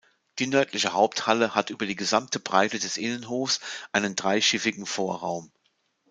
Die nördliche Haupthalle hat über die gesamte Breite des Innenhofs einen dreischiffigen Vorraum.